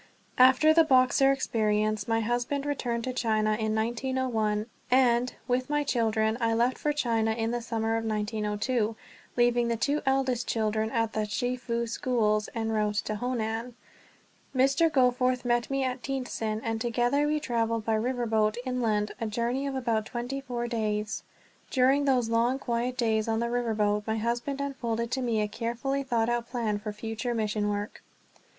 After the Boxer experience, my husband returned to China in 1901; and, with my children, I left for China in the summer of 1902, leaving the two eldest children at the Chefoo schools, en route to Honan. Mr. Goforth met me at Tientsin, and together we traveled by river boat inland a journey of about twenty four days. During those long, quiet days on the river boat my husband unfolded to me a carefully thought out plan for future mission work.